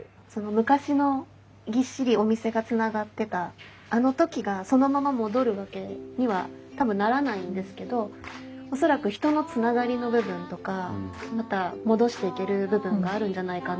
昔のぎっしりお店がつながってたあの時がそのまま戻るわけには多分ならないんですけど恐らく人のつながりの部分とかまた戻していける部分があるんじゃないかなと思っていて。